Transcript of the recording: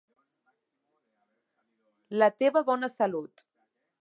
La teva bona salut.